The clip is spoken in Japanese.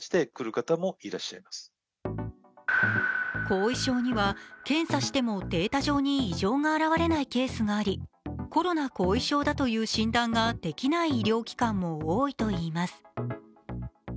後遺症には、検査してもデータ上に異常が現れないケースがありコロナ後遺症だという診断ができない医療機関も多いといいます。